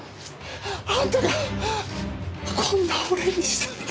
あんたがこんな俺にしたんだ。